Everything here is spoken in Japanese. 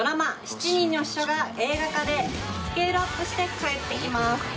『七人の秘書』が映画化でスケールアップして帰ってきます。